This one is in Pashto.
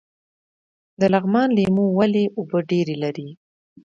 د لغمان لیمو ولې اوبه ډیرې لري؟